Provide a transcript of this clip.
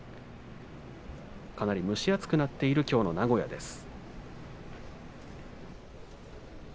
かなり蒸し暑くなっている名古屋です。